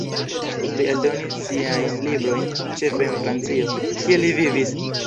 Li eldonis siajn librojn ĉefe en Francio, kie li vivis.